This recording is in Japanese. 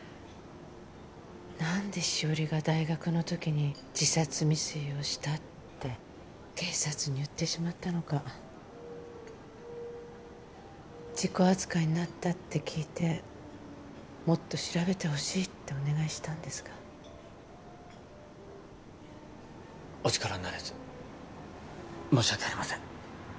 何でしおりが大学の時に自殺未遂をしたって警察に言ってしまったのか事故扱いになったって聞いてもっと調べてほしいってお願いしたんですがお力になれず申し訳ありません